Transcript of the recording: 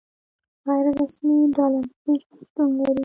غیر رسمي ډالرایزیشن شتون لري.